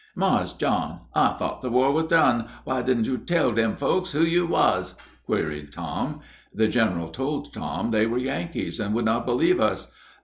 "Marse John, I thought the war was done. Why didn't you tell dem folks who you was?" queried Tom. The general told Tom they were Yankees, and would not believe us.